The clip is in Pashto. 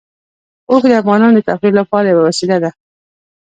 اوښ د افغانانو د تفریح لپاره یوه وسیله ده.